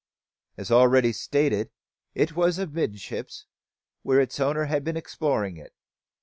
As already stated, it was amidships, where its owner had been exploring it.